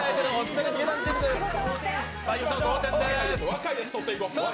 若いやつを取っていこう。